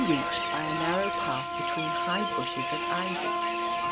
1 6 1 reached by a narrow path between high bushes of ivy.